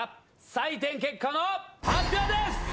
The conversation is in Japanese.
採点結果の発表です！